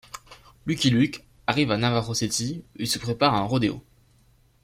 Lucky Luke arrive à Navajo City où se prépare un rodéo.